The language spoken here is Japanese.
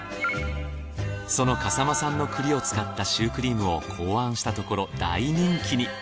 その笠間産の栗を使ったシュークリームを考案したところ大人気に。